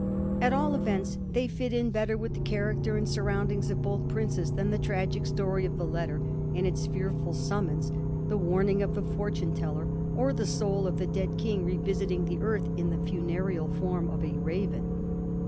At aU events, they fit in better with the character and sur roundings of both princes than the tragic story of the letter and its fearful summons, the warning of the fortune teller, or the soul of the dead King revisiting the earth in the fimereal form of a raven.